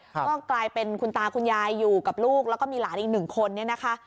ก็กลายเป็นคุณตาคุณยายอยู่กับลูกแล้วก็มีหลานอีกหนึ่งคนเนี่ยนะคะ